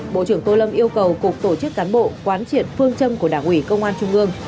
bộ trưởng tô lâm yêu cầu cục tổ chức cán bộ quán triệt phương châm của đảng ủy công an trung ương